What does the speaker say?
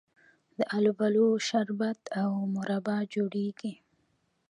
د الوبالو شربت او مربا جوړیږي.